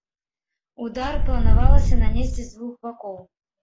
Удар планавалася нанесці з двух бакоў.